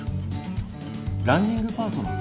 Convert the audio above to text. ランニングパートナー？